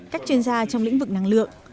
các chuyên gia trong lĩnh vực năng lượng